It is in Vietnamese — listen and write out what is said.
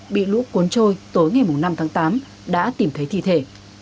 bị lũ cuốn trôi tối ngày năm tháng tám đã tìm thấy thi thể